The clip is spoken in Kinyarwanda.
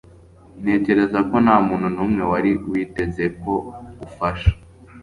Ntekereza ko ntamuntu numwe wari witeze ko ufasha.